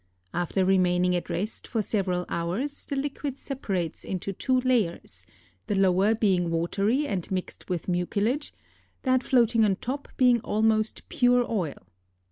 After remaining at rest for several hours the liquid separates into two layers, the lower being watery and mixed with mucilage, that floating on top being almost pure oil.